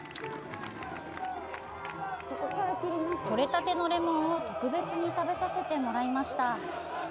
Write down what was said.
とれたてのレモンを特別に食べさせてもらいました。